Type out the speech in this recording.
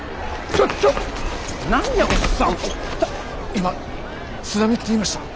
今津波って言いました？